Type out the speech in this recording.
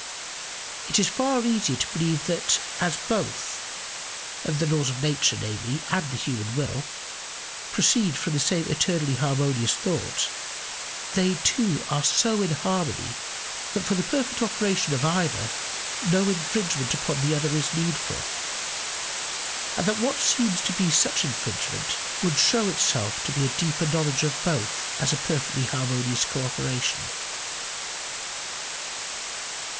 It is far easier to believe that as both the laws of nature, namely, and the human will proceed from the same eternally harmonious thought, they too are so in harmony, that for the perfect operation of either no infringement upon the other is needful; and that what seems to be such infringement would show itself to a deeper knowledge of both as a perfectly harmonious co operation.